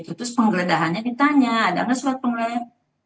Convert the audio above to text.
terus penggeledahannya ditanya ada enggak sulat penggeledahannya